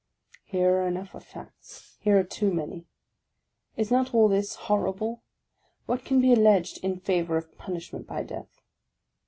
Here are enough of facts ; here are too many. Is not all this horrible? What can be alleged in favour of punishment by death?